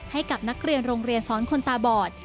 ให้กับนักเรียนโรงเรียนสอนคนตาบอด